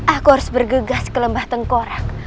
aku harus bergegas ke lembah tengkorak